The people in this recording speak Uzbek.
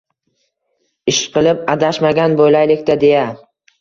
Ishqilib adashmagan bo`laylik-da, deya